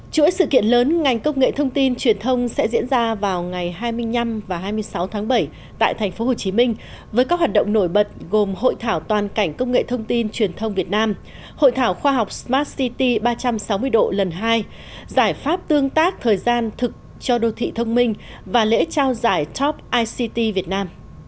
chủ yếu sự kiện lớn ngành công nghệ thông tin truyền thông sẽ diễn ra vào ngày hai mươi năm và hai mươi sáu tháng bảy tại tp hcm với các hoạt động nổi bật gồm hội thảo toàn cảnh công nghệ thông tin truyền thông việt nam hội thảo khoa học smart city ba trăm sáu mươi độ lần hai giải pháp tương tác thời gian thực cho đô thị thông minh và lễ trao giải top ict việt nam